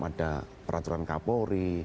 ada peraturan kapolri